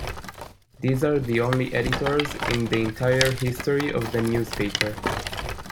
These are the only editors in the entire history of the newspaper.